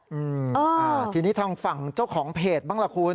อืมอ่าทีนี้ทางฝั่งเจ้าของเพจบ้างล่ะคุณ